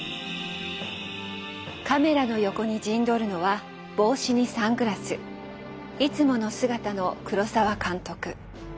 カメラの横に陣取るのは帽子にサングラスいつもの姿の黒澤監督。